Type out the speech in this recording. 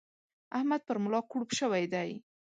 احمد پر ملا کړوپ شوی دی.